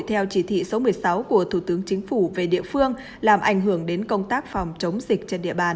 theo chỉ thị số một mươi sáu của thủ tướng chính phủ về địa phương làm ảnh hưởng đến công tác phòng chống dịch trên địa bàn